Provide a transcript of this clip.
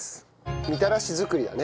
みたらし作りだね。